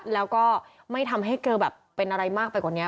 แล้วก็ไม่ทำให้เธอแบบเป็นอะไรมากไปกว่านี้